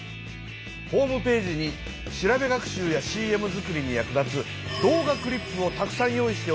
ホームページに調べ学習やＣＭ作りに役立つ動画クリップをたくさん用意しておいた。